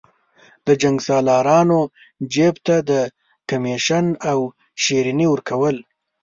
د جنګسالارانو جیب ته د کمېشن او شریني ورکول.